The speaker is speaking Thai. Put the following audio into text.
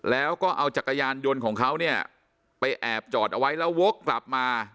แล้วก็เอาจักรยานยนต์ของเขาเนี่ยไปแอบจอดเอาไว้แล้ววกกลับมา